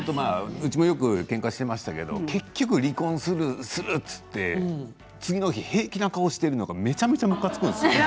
うちも、よくけんかしていましたけど結局、離婚すると言って次の日、平気な顔してるのがめちゃめちゃむかつくんですよ。